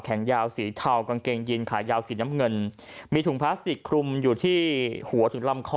ยาวสีเทากางเกงยีนขายาวสีน้ำเงินมีถุงพลาสติกคลุมอยู่ที่หัวถึงลำคอ